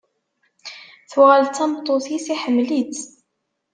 Tuɣal d tameṭṭut-is, iḥemmel-itt.